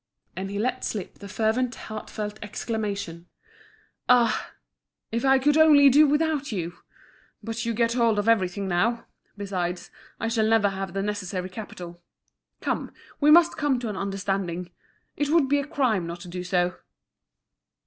And he let slip the fervent heartfelt exclamation: "Ah! if I could only do without you! But you get hold of everything now. Besides, I shall never have the necessary capital. Come, we must come to an understanding. It would be a crime not to do so."